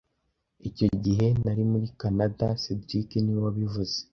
Icyo gihe, nari muri Kanada cedric niwe wabivuze